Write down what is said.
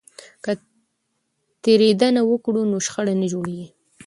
که تیریدنه وکړو نو شخړه نه جوړیږي.